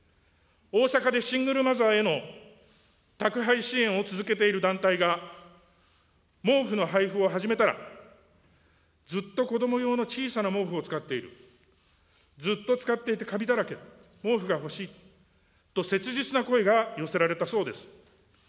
大阪でシングルマザーへの宅配支援を続けている団体が、毛布の配布を始めたら、ずっと子ども用の小さな毛布を使っている、ずっと使っていてカビだらけ、毛布が欲しいと、切実な声が寄せられたそうです。